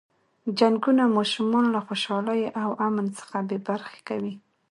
جنګونه ماشومان له خوشحالۍ او امن څخه بې برخې کوي.